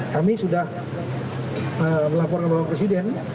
kami sudah melaporkan bapak presiden